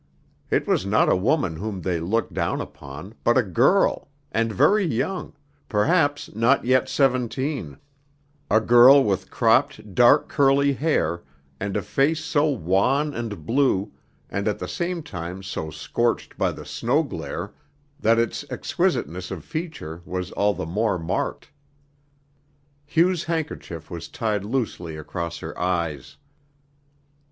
It was not a woman whom they looked down upon, but a girl, and very young perhaps not yet seventeen a girl with cropped dark curly hair and a face so wan and blue and at the same time so scorched by the snow glare that its exquisiteness of feature was all the more marked. Hugh's handkerchief was tied loosely across her eyes.